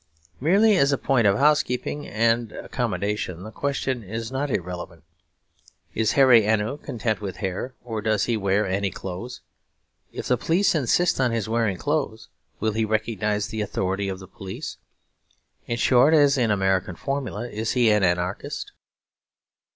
Merely as a point of housekeeping and accommodation the question is not irrelevant. Is the Hairy Ainu content with hair, or does he wear any clothes? If the police insist on his wearing clothes, will he recognise the authority of the police? In short, as in the American formula, is he an anarchist?